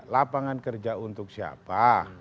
lapangan kerja untuk siapa